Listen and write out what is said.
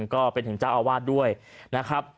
ก็เป็นถึงเจ้าอาวาสด้วยนะครับ